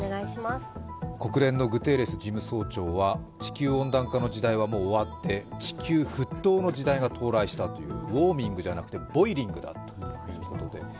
国連のグテーレス事務総長は地球温暖化の時代はもう終わって、地球沸騰の時代が到来したというウォーミングじゃなくてボイリングだということで。